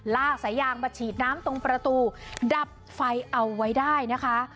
ลากสายยางมาฉีดน้ำตรงประตูดับไฟเอาไว้ได้นะคะ